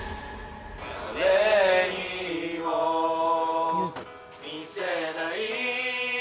「誰にも見せない」